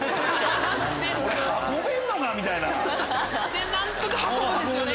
で何とか運ぶんですよね。